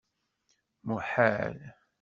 Muḥal!